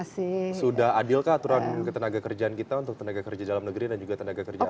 sudah adil kah aturan ketenaga kerjaan kita untuk tenaga kerja dalam negeri dan juga tenaga kerja asing